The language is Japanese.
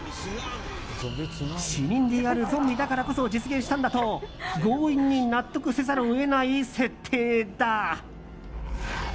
死人であるゾンビだからこそ実現したんだと強引に納得せざるを得ない設定だ。